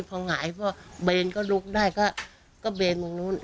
เพราะเบนก็ลุกได้ก็เบนตรงนู้น